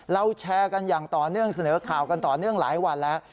แชร์กันอย่างต่อเนื่องเสนอข่าวกันต่อเนื่องหลายวันแล้ว